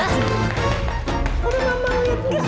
orang orang malu ya tuh